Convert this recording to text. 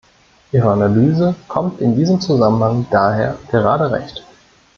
Ihre Analyse kommt in diesem Zusammenhang daher gerade recht.